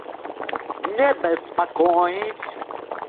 Не беспокоить!